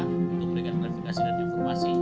untuk memberikan klarifikasi dan informasi